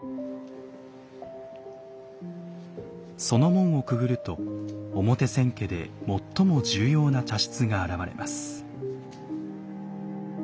その門をくぐると表千家で最も重要な茶室が現れます。